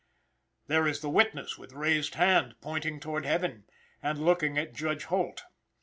There is the witness with raised hand, pointing toward heaven, and looking at Judge Holt.